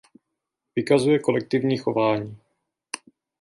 Vykazuje kolektivní chování.